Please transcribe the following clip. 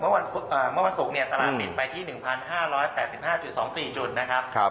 เมื่อวันศุกร์เนี่ยตลาดปิดไปที่๑๕๘๕๒๔จุดนะครับ